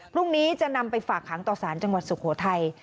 พรุ่งนี้จะนำไปฝากหางต่อสารจังหวัดสุโขทัย